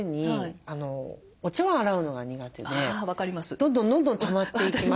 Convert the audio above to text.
どんどんどんどんたまっていきます。